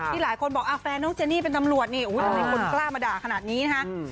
หลายคนบอกแฟนน้องเจนี่เป็นตำรวจนี่ทำไมคนกล้ามาด่าขนาดนี้นะคะ